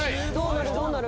どうなる？